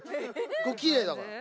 ここきれいだから。